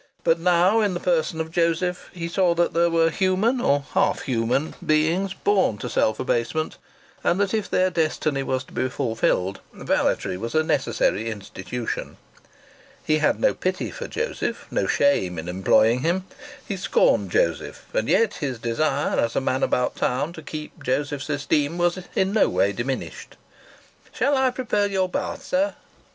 But now, in the person of Joseph, he saw that there were human or half human beings born to self abasement, and that, if their destiny was to be fulfilled, valetry was a necessary institution. He had no pity for Joseph, no shame in employing him. He scorned Joseph; and yet his desire, as a man about town, to keep Joseph's esteem, was in no way diminished! "Shall I prepare your bath, sir?"